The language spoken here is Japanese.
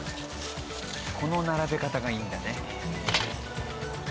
この並べ方がいいんだね。